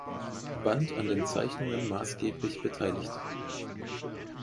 Band an den Zeichnungen maßgeblich beteiligt.